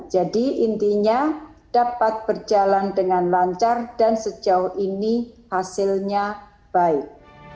jadi intinya dapat berjalan dengan lancar dan sejauh ini hasilnya baik